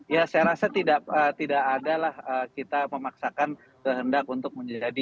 ya saya rasa tidak adalah kita memaksakan kehendak untuk menjadi